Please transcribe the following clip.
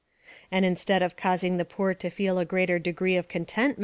And instead of causing the poor to feel a greater degree of contentment, * See chap v.